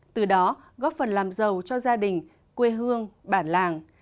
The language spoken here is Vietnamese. từ đó góp phần làm giàu cho gia đình quê hương bản làng